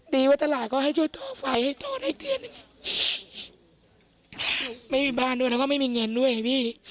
ดีว่าตลาดก็ให้ช่วยโทษไปให้โทษให้เดือนหนึ่งไม่มีบ้านด้วยแล้วก็ไม่มีเงินด้วยไงพี่